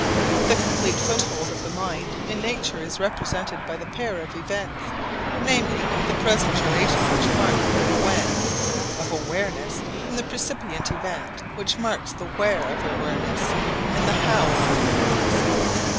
The complete foothold of the mind in nature is represented by the pair of events, namely, the present duration which marks the 'when' of awareness and the percipient event which marks the 'where' of awareness and the 'how' of awareness.